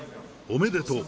おめでとう。